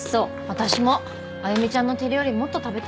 私も歩ちゃんの手料理もっと食べたいなあ。